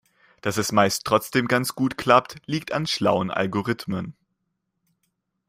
Dass es meist trotzdem ganz gut klappt, liegt an schlauen Algorithmen.